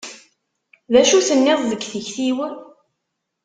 D acu tenniḍ deg tikti-w?